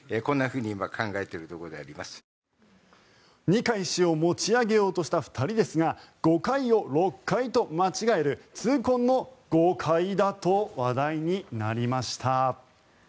二階氏を持ち上げようとした２人ですが５階を６階と間違える痛恨の誤解だと話題になりました。